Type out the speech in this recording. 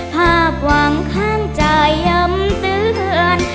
ภาพวางข้างจะยำเตือน